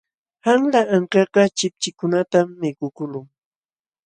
Qanla ankakaq chipchikunatam mikukuqlun.